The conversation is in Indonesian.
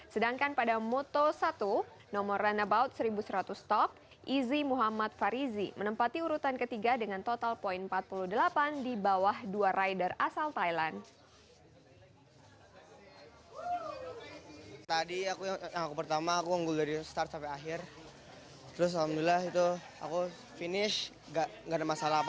sedangkan pada moto satu nomor runabout seribu seratus top izi muhammad farizi menempati urutan ketiga dengan total poin empat puluh delapan di bawah dua rider asal thailand